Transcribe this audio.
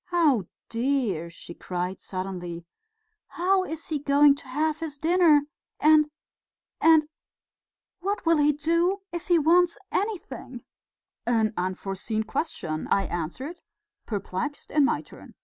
Oh, dear!" she cried suddenly, "how is he going to have his dinner ... and ... and ... what will he do ... if he wants anything?" "An unforeseen question," I answered, perplexed in my turn.